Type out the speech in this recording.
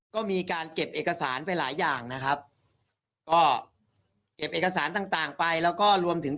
ก็มีการเก็บเอกสารไปหลายอย่างนะครับก็เก็บเอกสารต่างต่างไปแล้วก็รวมถึง